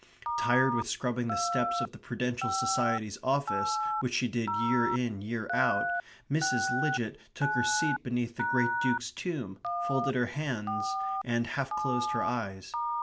Tired with scrubbing the steps of the Prudential Society's office, which she did year in year out, Mrs. Lidgett took her seat beneath the great Duke's tomb, folded her hands, and half closed her eyes.